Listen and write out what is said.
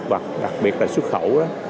và đặc biệt là xuất khẩu